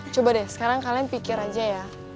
coba deh sekarang kalian pikir aja ya